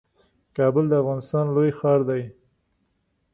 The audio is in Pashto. کابل د افغانستان لوی ښار دئ